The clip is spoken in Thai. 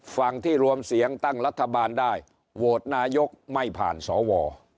ฝั่งที่รวมเสียงตั้งรัฐบาลได้โหวตนายกไม่ผ่านสว